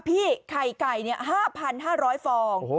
พี่ไข่ไก่เนี่ย๕๕๐๐ฟอง